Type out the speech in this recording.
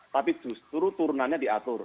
tapi justru turunannya diatur